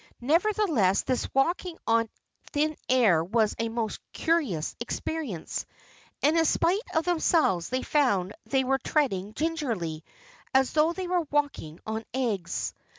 Nevertheless, this walking on thin air was a most curious experience, and in spite of themselves they found they were treading gingerly, as though they were walking on eggs.